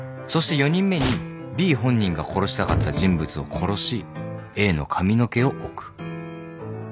そして４人目にＢ本人が殺したかった人物を殺しＡの髪の毛を置く。